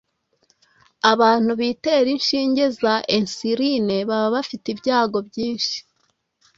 Abantu bitera inshinge za insulin baba bafite ibyago byinshi